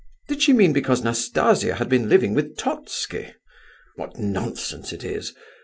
Did she mean because Nastasia had been living with Totski? What nonsense it is!